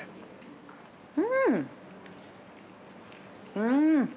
うん。